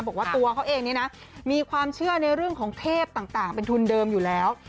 บอกว่าตัวเขาเองเนี่ยนะมีความเชื่อในเรื่องของเทพต่างเป็นทุนเดิมอยู่แล้ว